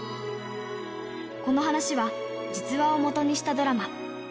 この話は、実話を基にしたドラマ。